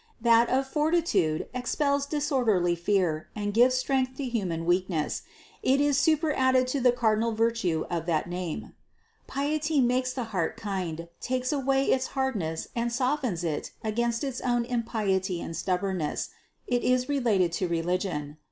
That of fortitude expels disorderly fear and gives strength to human weakness ; it is superadded to the cardinal virtue of that name. Piety makes the heart kind, takes away its hardness and softens it against its own impiety and stubborness; it is related to religion.